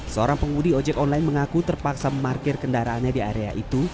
seorang pengemudi ojek online mengaku terpaksa memarkir kendaraannya di area itu